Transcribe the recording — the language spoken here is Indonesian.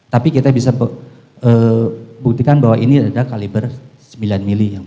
tapi kita bisa buktikan bahwa ini ada kaliber sembilan mm yang mulia